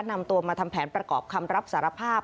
นำตัวมาทำแผนประกอบคำรับสารภาพ